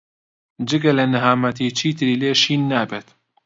جگە لە نەهامەتی چیتری لێ شین نابیت.